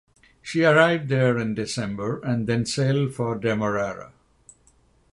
She arrived there in December and then sailed for Demerara.